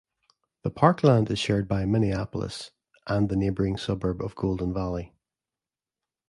The park land is shared by Minneapolis and the neighboring suburb of Golden Valley.